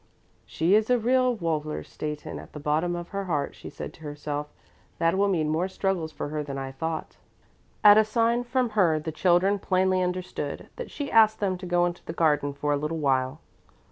"She is a real Wallerstätten at the bottom of her heart," she said to herself. "That will mean more struggles for her than I thought." At a sign from her the children plainly understood that she asked them to go into the garden for a little while.